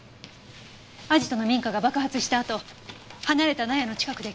アジトの民家が爆発したあと離れた納屋の近くで救出された。